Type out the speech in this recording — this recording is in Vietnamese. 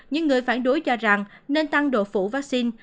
những người phản đối cho rằng nên tăng độ phủ vaccine